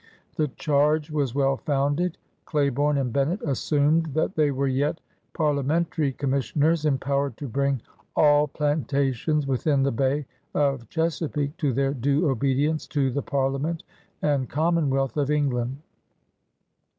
'' The chaige was well founded. Claiborne and Bennett assumed that they were yet Parlia 154 PIONEERS OP THE OLD SOUTH mentary Commissioners, empowered to bring ^^aU plantations within the Bay of Chesapeake to their due obedience to the Parliament and Common wealth of England."